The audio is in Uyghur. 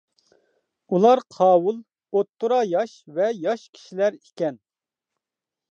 ئۇلار قاۋۇل، ئوتتۇرا ياش ۋە ياش كىشىلەر ئىكەن.